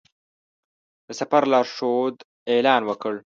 د سفر لارښود اعلان وکړ.